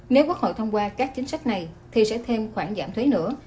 nếu quốc hội thông qua các chính sách này thì sẽ thêm khoản giảm thuế nữa